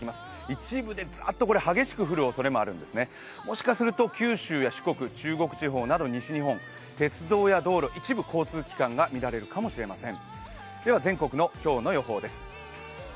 一部でざーっと激しく降るおそれもあるんですね、もしかすると九州、中国地方など西日本、鉄道や道路など一部交通機関が乱れるかもしれません。